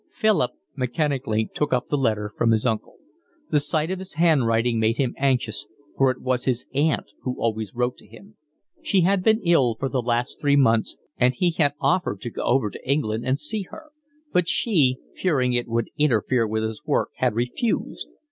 Philip mechanically took up the letter from his uncle. The sight of his handwriting made him anxious, for it was his aunt who always wrote to him. She had been ill for the last three months, and he had offered to go over to England and see her; but she, fearing it would interfere with his work, had refused.